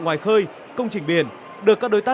ngoài khơi công trình biển được các đối tác